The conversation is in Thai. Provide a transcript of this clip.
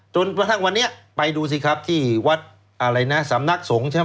จนทั้งวันนี้ไปดูสิครับที่วัดสำนักสงฆ์ใช่ไหม